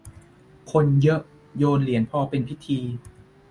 คนเยอะ โยนเหรียญพอเป็นพิธี